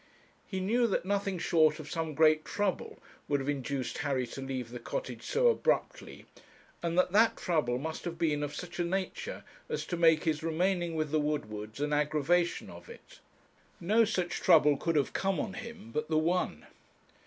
He knew that nothing short of some great trouble would have induced Harry to leave the Cottage so abruptly, and that that trouble must have been of such a nature as to make his remaining with the Woodwards an aggravation of it. No such trouble could have come on him but the one.